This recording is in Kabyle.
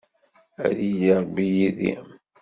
Ad yili Ṛebbi yid-i.